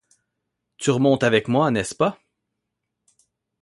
Tu remontes avec moi n'est-ce pas?